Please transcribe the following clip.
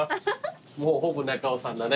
もうほぼ中尾さんだね。